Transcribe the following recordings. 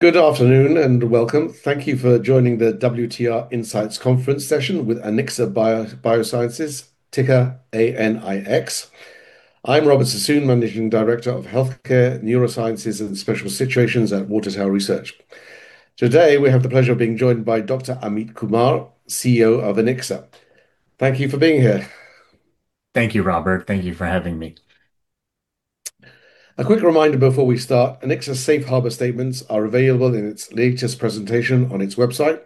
Good afternoon and welcome. Thank you for joining the WTR insights conference session with Anixa Biosciences, ticker ANIX. I'm Robert Sassoon, Managing Director of Healthcare, Neurosciences, and Special Situations at Water Tower Research. Today, we have the pleasure of being joined by Dr. Amit Kumar, CEO of Anixa. Thank you for being here. Thank you, Robert. Thank you for having me. A quick reminder before we start, Anixa's safe harbor statements are available in its latest presentation on its website.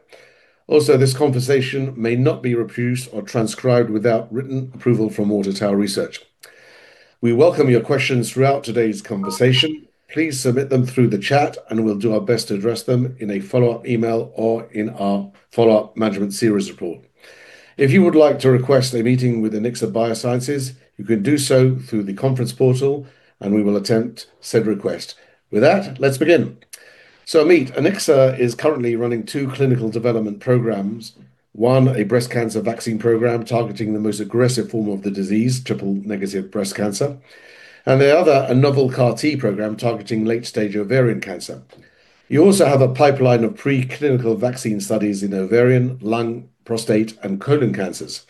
Also, this conversation may not be reproduced or transcribed without written approval from Water Tower Research. We welcome your questions throughout today's conversation. Please submit them through the chat, and we'll do our best to address them in a follow-up email or in our follow-up management series report. If you would like to request a meeting with Anixa Biosciences, you can do so through the conference portal, and we will attempt said request. With that, let's begin. Amit, Anixa is currently running two clinical development programs. One, a breast cancer vaccine program targeting the most aggressive form of the disease, triple-negative breast cancer, and the other, a novel CAR-T program targeting late-stage ovarian cancer. You also have a pipeline of preclinical vaccine studies in ovarian, lung, prostate, and colon cancers.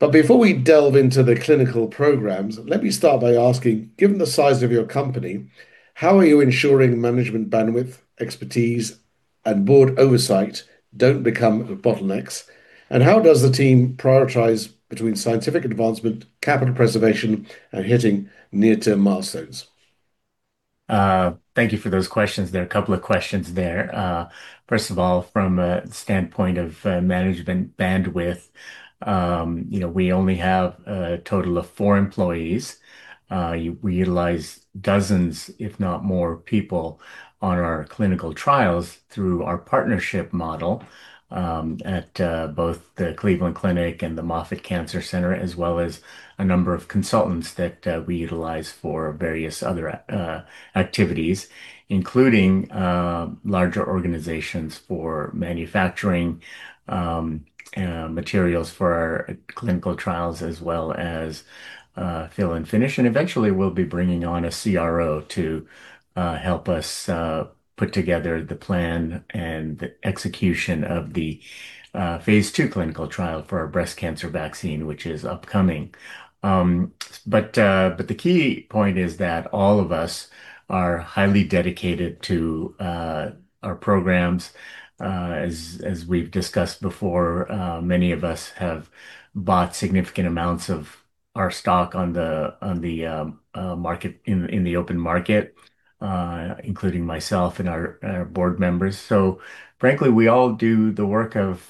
Before we delve into the clinical programs, let me start by asking, given the size of your company, how are you ensuring management bandwidth, expertise, and board oversight don't become bottlenecks? How does the team prioritize between scientific advancement, capital preservation, and hitting near-term milestones? Thank you for those questions. There are a couple of questions there. First of all, from a standpoint of management bandwidth, we only have a total of four employees. We utilize dozens, if not more people, on our clinical trials through our partnership model, at both the Cleveland Clinic and the Moffitt Cancer Center, as well as a number of consultants that we utilize for various other activities, including larger organizations for manufacturing materials for our clinical trials, as well as fill and finish. Eventually, we'll be bringing on a CRO to help us put together the plan and the execution of the phase II clinical trial for our breast cancer vaccine, which is upcoming. The key point is that all of us are highly dedicated to our programs. As we've discussed before, many of us have bought significant amounts of our stock on the open market, including myself and our Board Members. Frankly, we all do the work of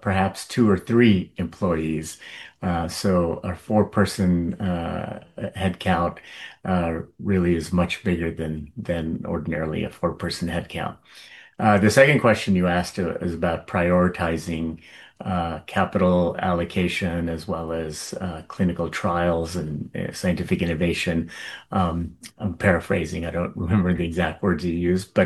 perhaps two or three employees our four-person headcount really is much bigger than ordinarily a four-person headcount. The second question you asked is about prioritizing capital allocation as well as clinical trials and scientific innovation. I'm paraphrasing. I don't remember the exact words you used.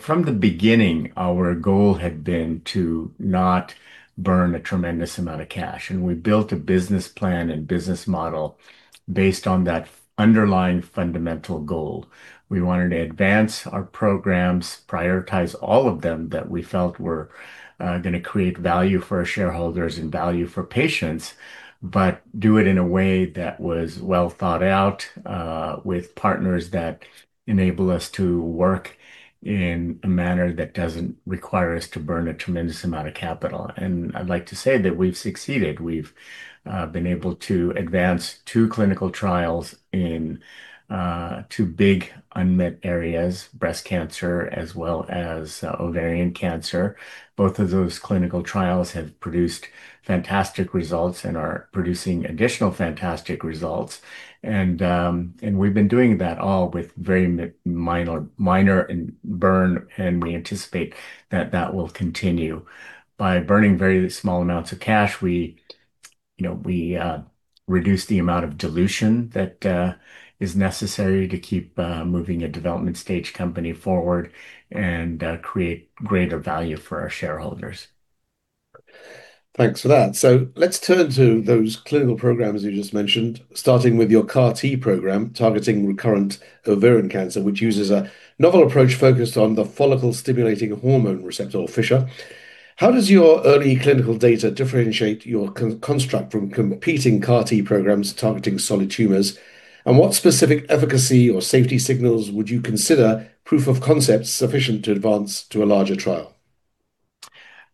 From the beginning, our goal had been to not burn a tremendous amount of cash, and we built a business plan and business model based on that underlying fundamental goal. We wanted to advance our programs, prioritize all of them that we felt were going to create value for our shareholders and value for patients, but do it in a way that was well thought out, with partners that enable us to work in a manner that doesn't require us to burn a tremendous amount of capital. I'd like to say that we've succeeded we've been able to advance two clinical trials in two big unmet areas, breast cancer as well as ovarian cancer. Both of those clinical trials have produced fantastic results and are producing additional fantastic results. We've been doing that all with very minor burn, and we anticipate that that will continue. By burning very small amounts of cash, we reduce the amount of dilution that is necessary to keep moving a development stage company forward and create greater value for our shareholders. Thanks for that. Let's turn to those clinical programs you just mentioned, starting with your CAR-T program targeting recurrent ovarian cancer, which uses a novel approach focused on the follicle-stimulating hormone receptor, or FSHR. How does your early clinical data differentiate your construct from competing CAR-T programs targeting solid tumors? What specific efficacy or safety signals would you consider proof of concepts sufficient to advance to a larger trial?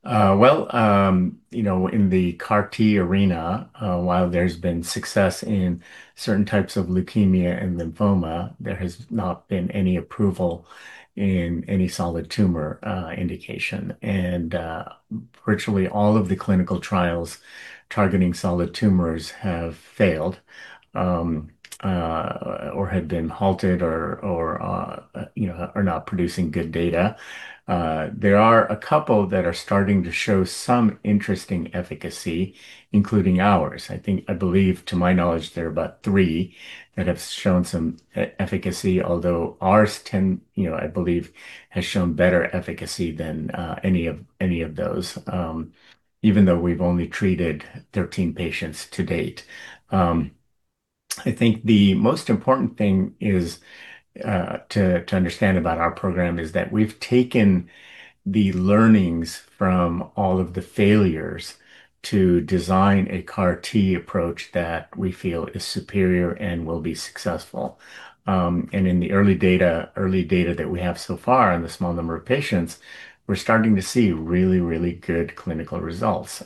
Well, in the CAR-T arena, while there's been success in certain types of leukemia and lymphoma, there has not been any approval in any solid tumor indication. And virtually all of the clinical trials targeting solid tumors have failed, or have been halted, or are not producing good data. There are a couple that are starting to show some interesting efficacy, including ours. I believe, to my knowledge, there are about three that have shown some efficacy, although ours I believe, has shown better efficacy than any of those, even though we've only treated 13 patients to date. I think the most important thing to understand about our program is that we've taken the learnings from all of the failures to design a CAR-T approach that we feel is superior and will be successful. In the early data that we have so far in the small number of patients, we're starting to see really good clinical results,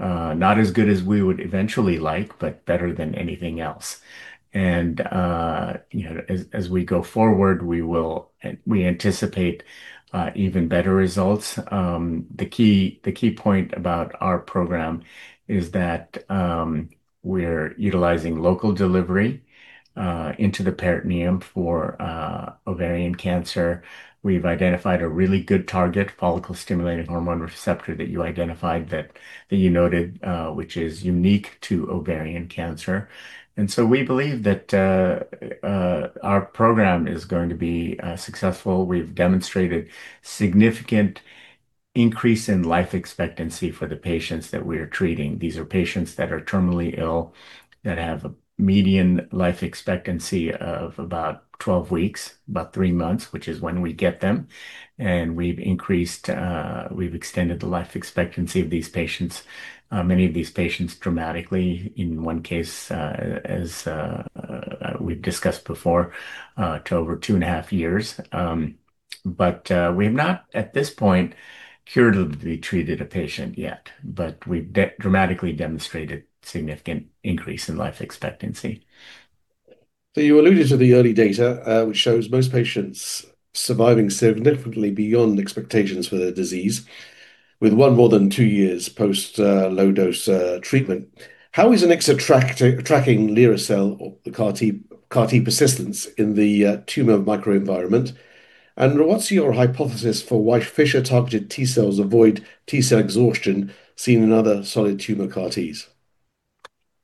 not as good as we would eventually like, but better than anything else. As we go forward, we anticipate even better results the key point about our program is that we're utilizing local delivery into the peritoneum for ovarian cancer. We've identified a really good target, follicle-stimulating hormone receptor that you noted, which is unique to ovarian cancer we believe that our program is going to be successful. We've demonstrated significant increase in life expectancy for the patients that we're treating. These are patients that are terminally ill, that have a median life expectancy of about 12 weeks, about three months, which is when we get them. We've extended the life expectancy of these patients, many of these patients dramatically, in one case as we've discussed before, to over two and a half years. We have not, at this point, curatively treated a patient yet, but we've dramatically demonstrated significant increase in life expectancy. You alluded to the early data, which shows most patients surviving significantly beyond expectations for their disease, with one more than two years post-low dose treatment. How is Anixa tracking lira-cel or the CAR-T persistence in the tumor microenvironment? What's your hypothesis for why FSHR targeted T-cells avoid T-cell exhaustion seen in other solid tumor CAR-T?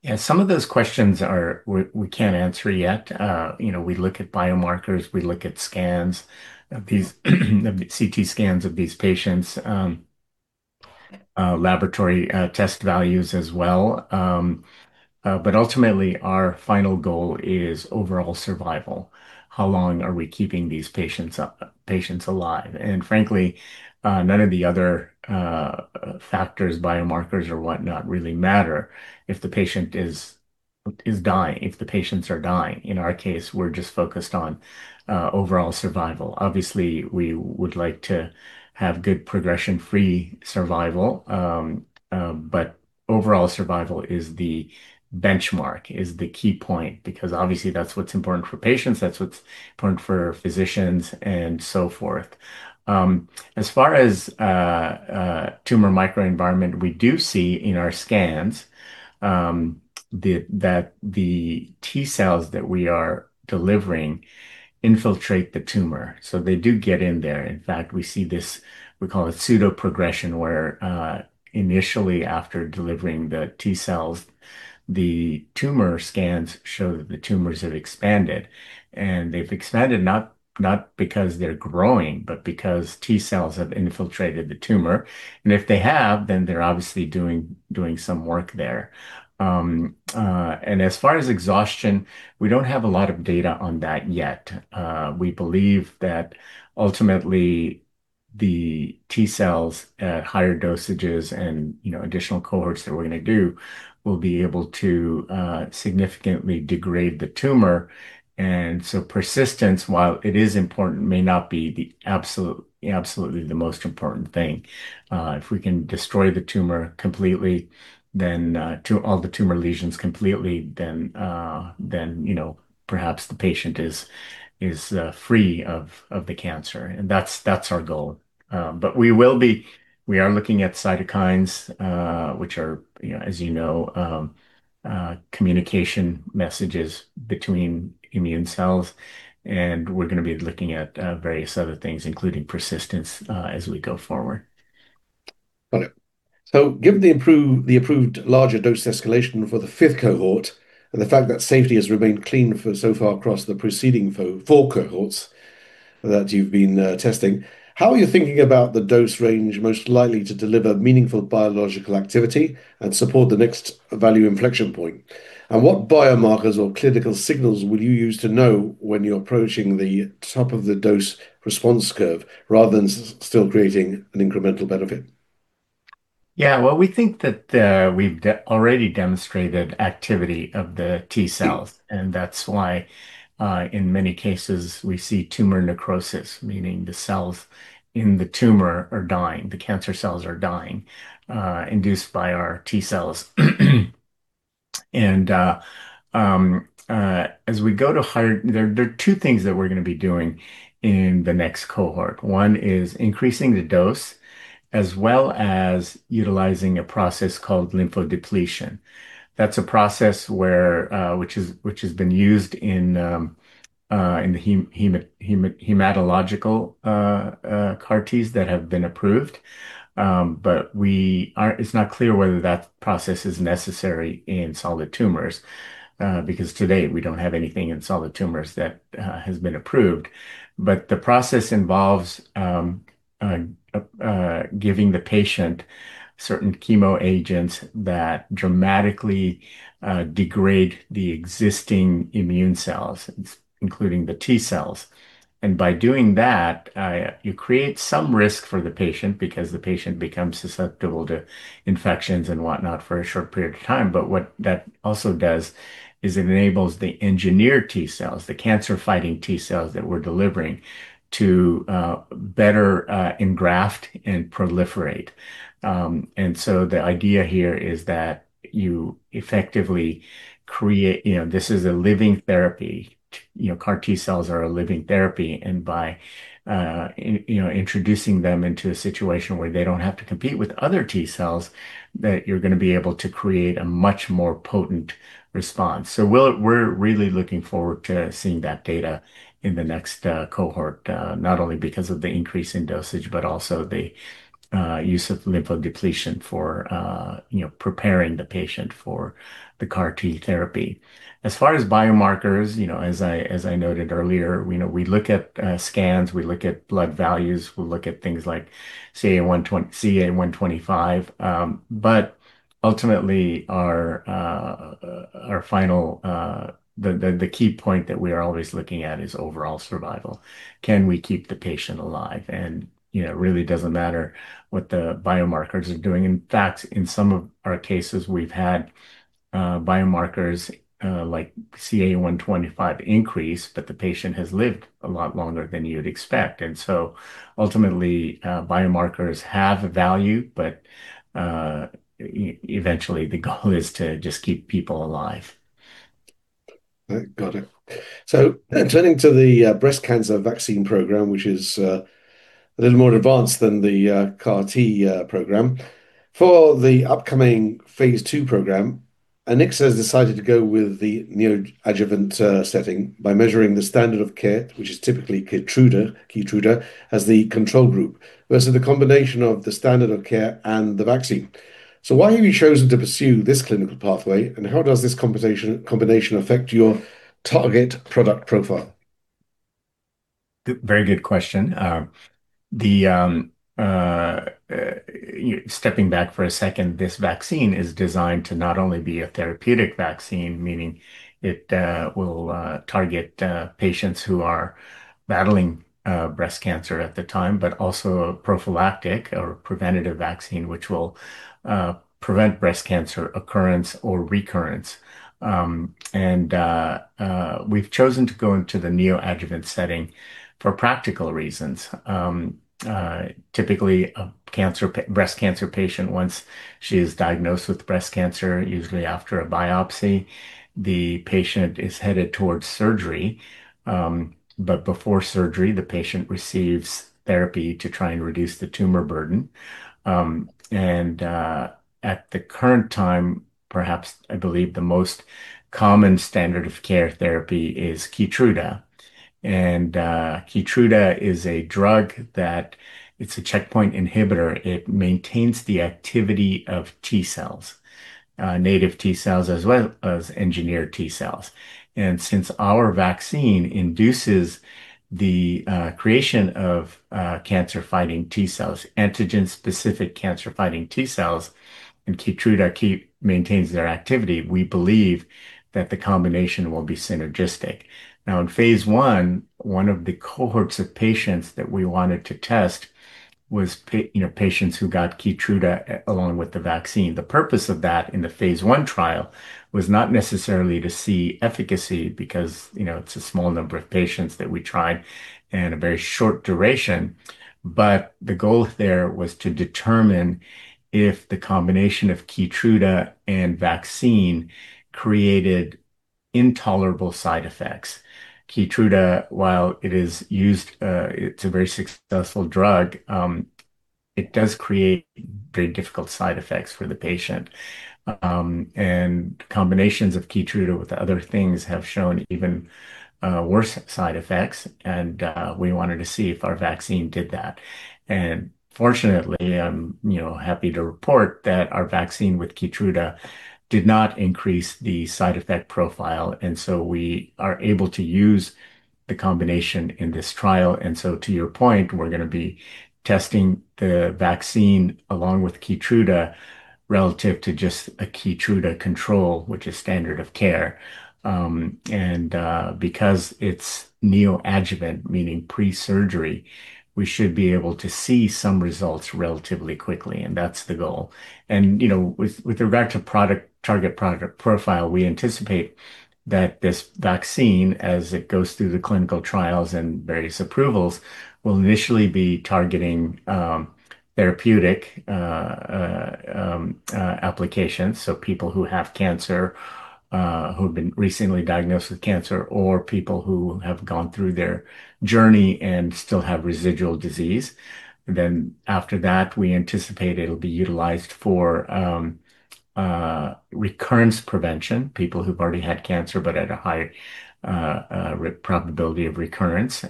Yeah. Some of those questions we can't answer yet. We look at biomarkers, we look at scans, CT scans of these patients, laboratory test values as well. Ultimately, our final goal is overall survival. How long are we keeping these patients alive. Frankly, none of the other factors, biomarkers or whatnot, really matter if the patients are dying. In our case, we're just focused on overall survival. Obviously, we would like to have good progression-free survival. Overall survival is the benchmark, is the key point, because obviously that's what's important for patients, that's what's important for physicians and so forth. As far as tumor microenvironment, we do see in our scans that the T-cells that we are delivering infiltrate the tumor they do get in there. In fact, we see this. We call it pseudoprogression, where initially after delivering the T-cells, the tumor scans show that the tumors have expanded. They've expanded not because they're growing, but because T-cells have infiltrated the tumor. If they have, then they're obviously doing some work there as far as exhaustion, we don't have a lot of data on that yet. We believe that ultimately, the T-cells at higher dosages and additional cohorts that we're going to do, will be able to significantly degrade the tumor. Persistence, while it is important, may not be absolutely the most important thing. If we can destroy the tumor completely, all the tumor lesions completely, then perhaps the patient is free of the cancer. That's our goal. We are looking at cytokines, which are, as you know, communication messages between immune cells and we're going to be looking at various other things, including persistence, as we go forward. Got it. Given the approved larger dose escalation for the fifth cohort, and the fact that safety has remained clean so far across the preceding four cohorts that you've been testing, how are you thinking about the dose range most likely to deliver meaningful biological activity and support the next value inflection point? What biomarkers or clinical signals will you use to know when you're approaching the top of the dose-response curve rather than still creating an incremental benefit? Yeah. Well, we think that we've already demonstrated activity of the T-cells, and that's why, in many cases, we see tumor necrosis, meaning the cells in the tumor are dying. The cancer cells are dying, induced by our T-cells there are two things that we're going to be doing in the next cohort. One is increasing the dose, as well as utilizing a process called lymphodepletion. That's a process which has been used in the hematological CAR-Ts that have been approved. It's not clear whether that process is necessary in solid tumors, because to date we don't have anything in solid tumors that has been approved. The process involves giving the patient certain chemo agents that dramatically degrade the existing immune cells, including the T-cells. By doing that, you create some risk for the patient, because the patient becomes susceptible to infections and whatnot for a short period of time. What that also does is it enables the engineered T-cells, the cancer-fighting T-cells that we're delivering, to better engraft and proliferate. This is a living therapy. CAR-T cells are a living therapy, and by introducing them into a situation where they don't have to compete with other T-cells, that you're going to be able to create a much more potent response. We're really looking forward to seeing that data in the next cohort, not only because of the increase in dosage, but also the use of lymphodepletion for preparing the patient for the CAR-T therapy. As far as biomarkers, as I noted earlier, we look at scans, we look at blood values, we look at things like CA 125. Ultimately, the key point that we are always looking at is overall survival. Can we keep the patient alive? It really doesn't matter what the biomarkers are doing. In fact, in some of our cases, we've had biomarkers, like CA 125 increase, but the patient has lived a lot longer than you'd expect. Ultimately, biomarkers have a value, but eventually, the goal is to just keep people alive. Got it. Turning to the breast cancer vaccine program, which is a little more advanced than the CAR-T program. For the upcoming phase II program, Anixa has decided to go with the neoadjuvant setting by measuring the standard of care, which is typically KEYTRUDA, as the control group, versus the combination of the standard of care and the vaccine. Why have you chosen to pursue this clinical pathway, and how does this combination affect your target product profile? Very good question. Stepping back for a second, this vaccine is designed to not only be a therapeutic vaccine, meaning it will target patients who are battling breast cancer at the time, but also a prophylactic or preventative vaccine, which will prevent breast cancer occurrence or recurrence. We've chosen to go into the neoadjuvant setting for practical reasons. Typically, a breast cancer patient, once she is diagnosed with breast cancer, usually after a biopsy, the patient is headed towards surgery. Before surgery, the patient receives therapy to try and reduce the tumor burden at the current time, perhaps, I believe the most common standard of care therapy is KEYTRUDA. KEYTRUDA is a checkpoint inhibitor. It maintains the activity of T-cells, native T-cells as well as engineered T-cells. Since our vaccine induces the creation of cancer-fighting T-cells, antigen-specific cancer-fighting T-cells, and KEYTRUDA maintains their activity we believe that the combination will be synergistic. Now, in phase I, one of the cohorts of patients that we wanted to test was patients who got KEYTRUDA along with the vaccine. The purpose of that in the phase I trial was not necessarily to see efficacy, because it's a small number of patients that we tried and a very short duration. The goal there was to determine if the combination of KEYTRUDA and vaccine created intolerable side effects. KEYTRUDA, while it is used, it's a very successful drug, it does create very difficult side effects for the patient. Combinations of KEYTRUDA with other things have shown even worse side effects, and we wanted to see if our vaccine did that. Fortunately, I'm happy to report that our vaccine with KEYTRUDA did not increase the side effect profile. We are able to use the combination in this trial. To your point, we're going to be testing the vaccine along with KEYTRUDA relative to just a KEYTRUDA control, which is standard of care. Because it's neoadjuvant, meaning pre-surgery, we should be able to see some results relatively quickly, and that's the goal. With regard to target product profile, we anticipate that this vaccine as it goes through the clinical trials and various approvals, will initially be targeting therapeutic applications. People who have cancer, who have been recently diagnosed with cancer, or people who have gone through their journey and still have residual disease. After that, we anticipate it'll be utilized for recurrence prevention, people who've already had cancer but at a higher probability of recurrence.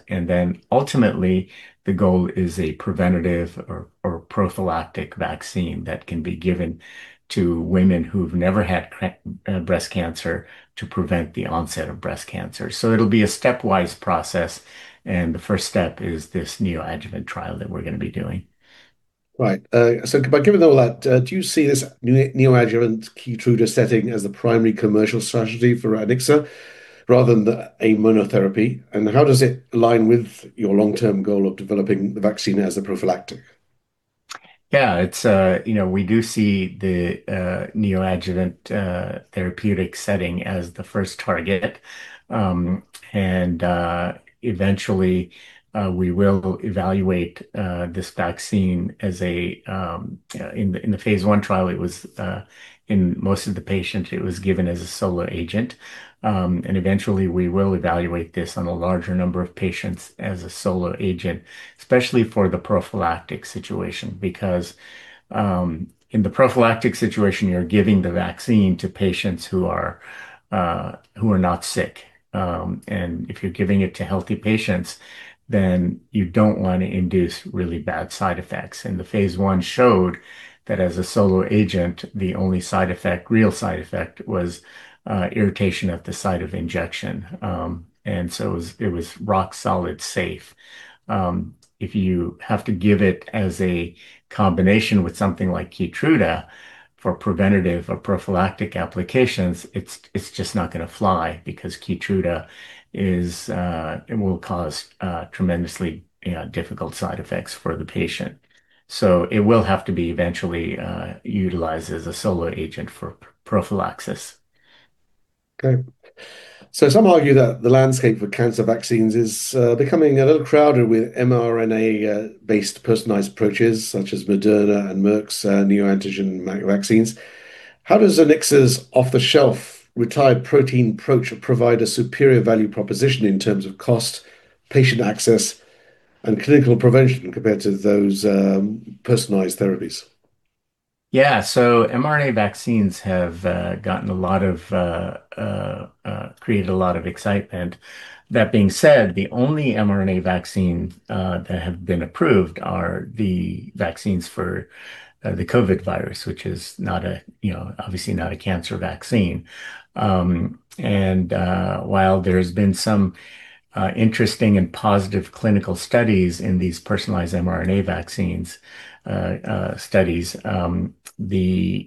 Ultimately, the goal is a preventative or prophylactic vaccine that can be given to women who've never had breast cancer to prevent the onset of breast cancer. It'll be a stepwise process, and the first step is this neoadjuvant trial that we're going to be doing. Right. By giving all that, do you see this neoadjuvant KEYTRUDA setting as the primary commercial strategy for Anixa rather than a monotherapy? How does it align with your long-term goal of developing the vaccine as a prophylactic? Yeah. We do see the neoadjuvant therapeutic setting as the first target. Eventually, we will evaluate this vaccine. In the phase I trial in most of the patients, it was given as a solo agent. Eventually, we will evaluate this on a larger number of patients as a solo agent, especially for the prophylactic situation. Because in the prophylactic situation, you're giving the vaccine to patients who are not sick. If you're giving it to healthy patients, then you don't want to induce really bad side effects. The phase I showed that as a solo agent the only real side effect was irritation at the site of injection. It was rock-solid safe. If you have to give it as a combination with something like KEYTRUDA for preventative or prophylactic applications, it's just not going to fly because KEYTRUDA will cause tremendously difficult side effects for the patient. It will have to be eventually utilized as a solo agent for prophylaxis. Some argue that the landscape for cancer vaccines is becoming a little crowded with mRNA-based personalized approaches, such as Moderna and Merck's neoantigen vaccines. How does Anixa's off-the-shelf retired protein approach provide a superior value proposition in terms of cost, patient access, and clinical prevention compared to those personalized therapies? Yeah. mRNA vaccines have created a lot of excitement. That being said, the only mRNA vaccine that have been approved are the vaccines for the COVID virus, which is obviously not a cancer vaccine. While there has been some interesting and positive clinical studies in these personalized mRNA vaccines studies, there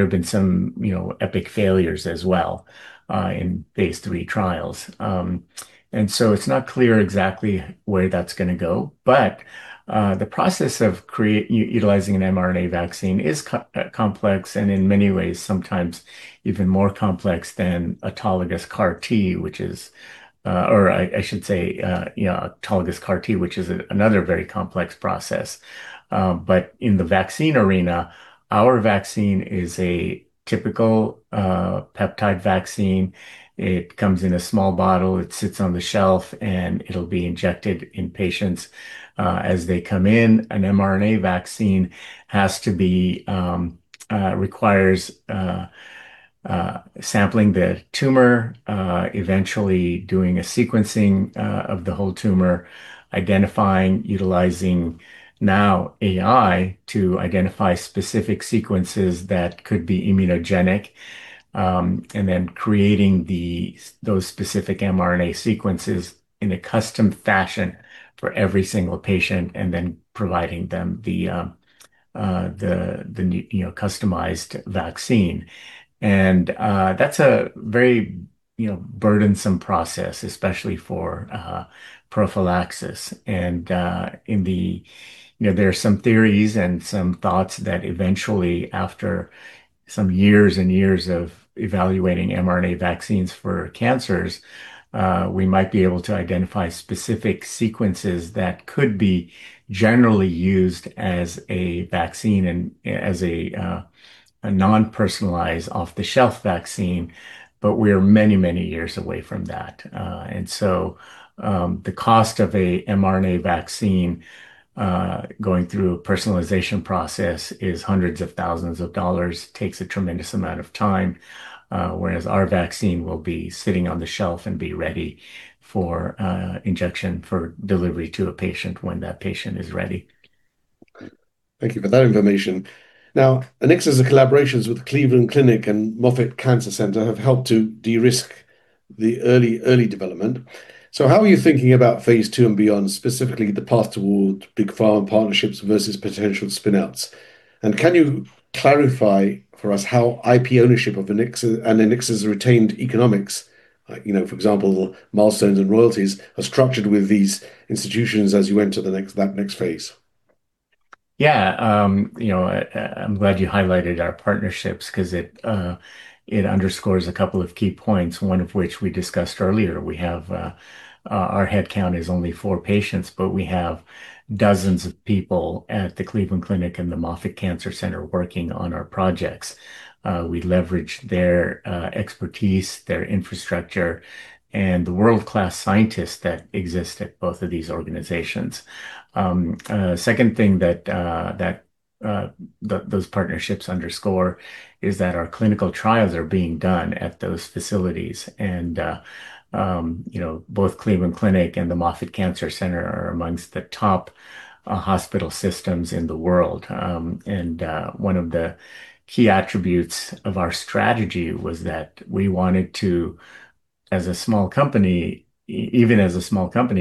have been some epic failures as well in phase III trials. It's not clear exactly where that's going to go. The process of utilizing an mRNA vaccine is complex, and in many ways, sometimes even more complex than autologous CAR-T, which is another very complex process. In the vaccine arena, our vaccine is a typical peptide vaccine. It comes in a small bottle, it sits on the shelf, and it'll be injected in patients as they come in. An mRNA vaccine requires sampling the tumor, eventually doing a sequencing of the whole tumor, identifying, utilizing now AI to identify specific sequences that could be immunogenic, and then creating those specific mRNA sequences in a custom fashion for every single patient, and then providing them the customized vaccine. That's a very burdensome process, especially for prophylaxis. There are some theories and some thoughts that eventually, after some years and years of evaluating mRNA vaccines for cancers, we might be able to identify specific sequences that could be generally used as a vaccine and as a non-personalized, off-the-shelf vaccine. We are many, many years away from that. The cost of a mRNA vaccine going through a personalization process is hundreds of thousands of dollars, takes a tremendous amount of time, whereas our vaccine will be sitting on the shelf and be ready for injection for delivery to a patient when that patient is ready. Great. Thank you for that information. Now, Anixa's collaborations with Cleveland Clinic and Moffitt Cancer Center have helped to de-risk the early development. How are you thinking about phase II and beyond, specifically the path toward big pharma partnerships versus potential spin-outs? Can you clarify for us how IP ownership of Anixa and Anixa's retained economics, for example, milestones and royalties, are structured with these institutions as you enter that next phase? Yeah. I'm glad you highlighted our partnerships because it underscores a couple of key points, one of which we discussed earlier. Our headcount is only four people, but we have dozens of people at the Cleveland Clinic and the Moffitt Cancer Center working on our projects. We leverage their expertise, their infrastructure, and the world-class scientists that exist at both of these organizations. Second thing that those partnerships underscore is that our clinical trials are being done at those facilities. Both Cleveland Clinic and the Moffitt Cancer Center are amongst the top hospital systems in the world. One of the key attributes of our strategy was that, even as a small company,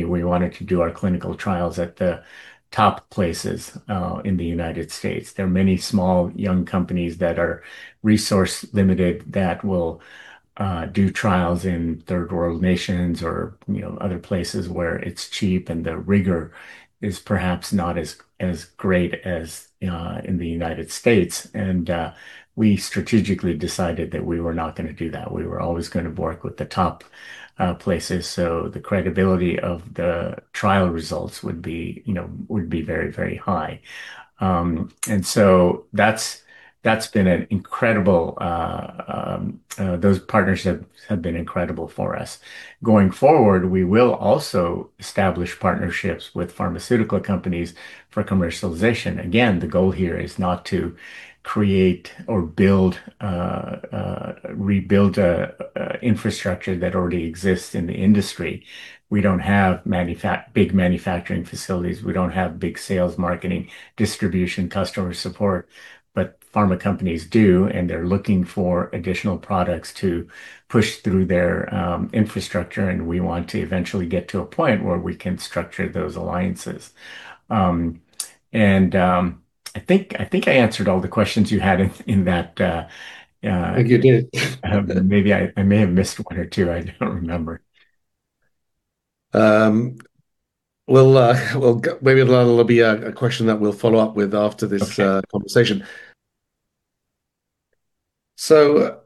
we wanted to do our clinical trials at the top places in the United States. There are many small, young companies that are resource-limited that will do trials in third-world nations or other places where it's cheap and the rigor is perhaps not as great as in the United States. We strategically decided that we were not going to do that. We were always going to work with the top places so the credibility of the trial results would be very high. That's been incredible. Those partnerships have been incredible for us. Going forward, we will also establish partnerships with pharmaceutical companies for commercialization. Again, the goal here is not to create or rebuild infrastructure that already exists in the industry. We don't have big manufacturing facilities. We don't have big sales, marketing, distribution, customer support, but pharma companies do, and they're looking for additional products to push through their infrastructure, and we want to eventually get to a point where we can structure those alliances. I think I answered all the questions you had in that. I think you did. Maybe I may have missed one or two. I don't remember. Well, maybe there'll be a question that we'll follow up with after this. Okay Conversation.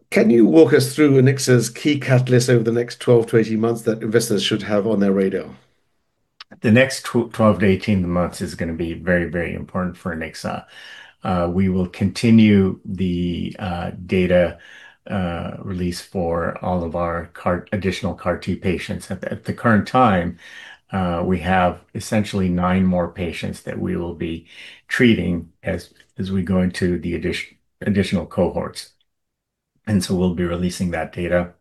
Can you walk us through Anixa's key catalysts over the next 12 months-18 months that investors should have on their radar? The next 12-18 months is going to be very important for Anixa. We will continue the data release for all of our additional CAR-T patients. At the current time, we have essentially nine more patients that we will be treating as we go into the additional cohorts. We'll be releasing that data.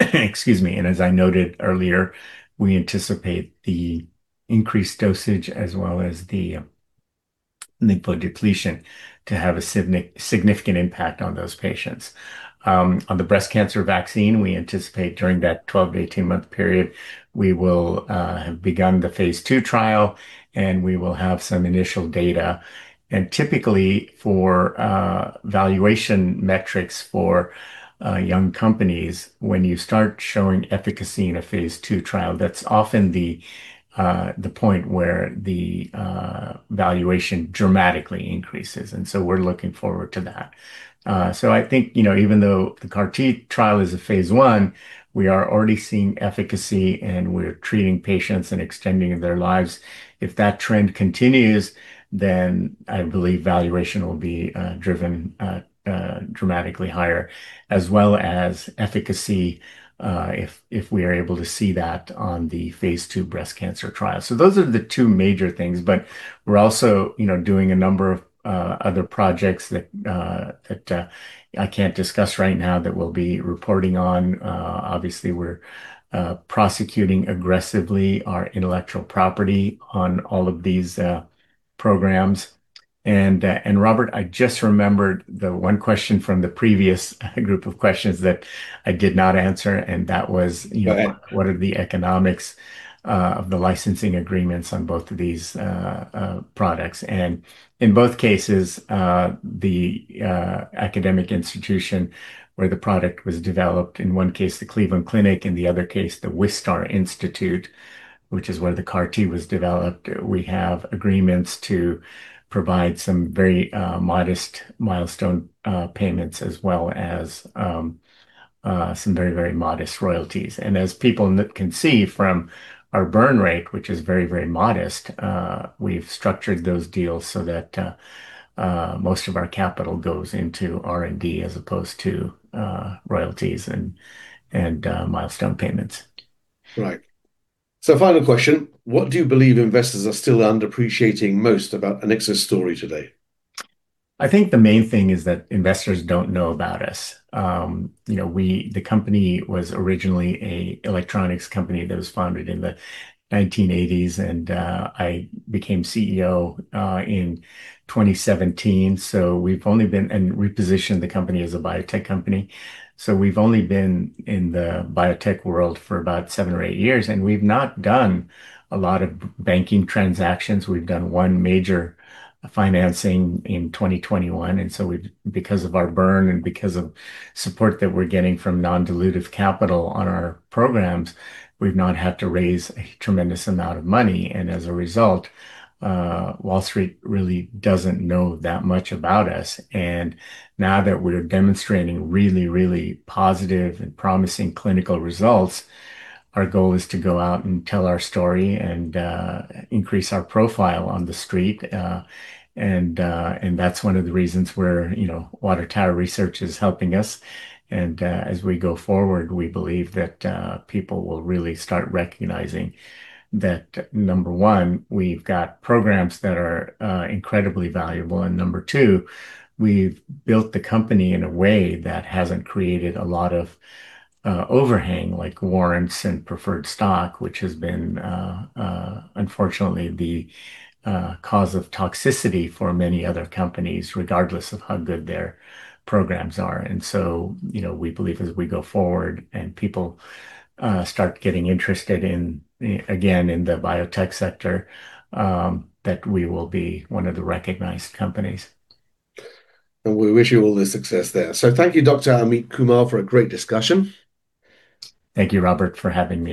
Excuse me. As I noted earlier, we anticipate the increased dosage as well as the lymphodepletion to have a significant impact on those patients. On the breast cancer vaccine, we anticipate during that 12-18-month period, we will have begun the phase II trial, and we will have some initial data. Typically, for valuation metrics for young companies, when you start showing efficacy in a phase II trial, that's often the point where the valuation dramatically increases. We're looking forward to that. I think, even though the CAR-T trial is a phase I, we are already seeing efficacy, and we're treating patients and extending their lives. If that trend continues, then I believe valuation will be driven dramatically higher, as well as efficacy, if we are able to see that on the phase II breast cancer trial. Those are the two major things. We're also doing a number of other projects that I can't discuss right now that we'll be reporting on. Obviously, we're prosecuting aggressively our intellectual property on all of these programs. Robert, I just remembered the one question from the previous group of questions that I did not answer, and that was. Go ahead. What are the economics of the licensing agreements on both of these products. In both cases, the academic institution where the product was developed, in one case, the Cleveland Clinic, in the other case, The Wistar Institute, which is where the CAR-T was developed, we have agreements to provide some very modest milestone payments, as well as some very modest royalties. As people can see from our burn rate, which is very modest, we've structured those deals so that most of our capital goes into R&D as opposed to royalties and milestone payments. Right. Final question, what do you believe investors are still underappreciating most about Anixa's story today? I think the main thing is that investors don't know about us. The company was originally an electronics company that was founded in the 1980s, and I became CEO in 2017 and repositioned the company as a biotech company. We've only been in the biotech world for about seven or eight years, and we've not done a lot of banking transactions. We've done one major financing in 2021. Because of our burn and because of support that we're getting from non-dilutive capital on our programs, we've not had to raise a tremendous amount of money. As a result, Wall Street really doesn't know that much about us. Now that we're demonstrating really positive and promising clinical results, our goal is to go out and tell our story and increase our profile on the Street. That's one of the reasons where Water Tower Research is helping us. As we go forward, we believe that people will really start recognizing that, number one, we've got programs that are incredibly valuable. Number two, we've built the company in a way that hasn't created a lot of overhang, like warrants and preferred stock, which has been, unfortunately, the cause of toxicity for many other companies, regardless of how good their programs are. We believe as we go forward and people start getting interested again in the biotech sector, that we will be one of the recognized companies. We wish you all the success there. Thank you, Dr. Amit Kumar, for a great discussion. Thank you, Robert, for having me.